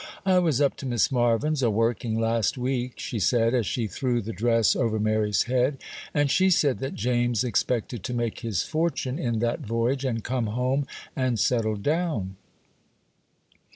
'I was up to Miss Marvyn's, a working, last week,' she said, as she threw the dress over Mary's head, 'and she said that James expected to make his fortune in that voyage, and come home and settle down.